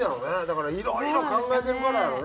だからいろいろ考えてるからやろね。